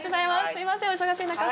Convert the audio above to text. すみません、お忙しい中。